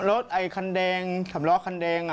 รถไอ้คันแดงสำล้อคันแดง